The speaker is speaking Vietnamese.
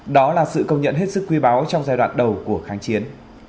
đó là sự công nhận hết sức quy báo trong giai đoạn đầu của kháng chiến